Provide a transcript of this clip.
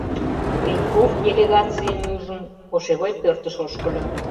Пеньков, делегацийым ӱжын, кошевой пӧртыш ошкыльо.